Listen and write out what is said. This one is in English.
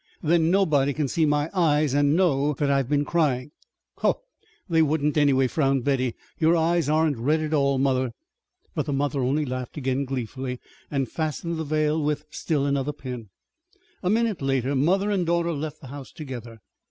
"Then nobody can see my eyes and know that I've been crying." "Ho! they wouldn't, anyway," frowned Betty. "Your eyes aren't red at all, mother." But the mother only laughed again gleefully and fastened the veil with still another pin. A minute later mother and daughter left the house together.